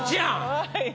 はい。